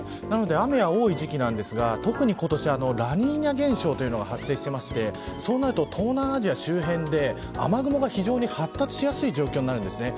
なので雨が多い時期なんですが特に今年、ラニーニャ現象というのが発生していてそうなると東南アジア周辺で雨雲が非常に発達しやすい状況になるんです。